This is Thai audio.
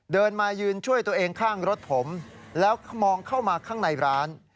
เดินมายืนช่วยตัวเองข้างรถผมแล้วมองเข้ามาข้างในร้าน